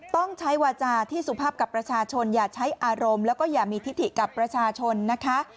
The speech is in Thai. ต้องใช้วาจาที่สุภาพกับประชาชนอย่าใช้อารมณ์แล้วก็อย่ามีทิถิกับประชาชนนะคะ